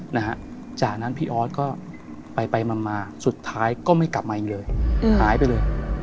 นะฮะจากนั้นพี่ออสก็ไปไปมามาสุดท้ายก็ไม่กลับมาอีกเลยหายไปเลย